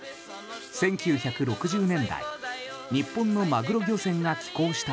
１９６０年代日本のマグロ漁船が寄港した